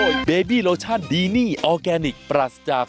สวัสดีครับ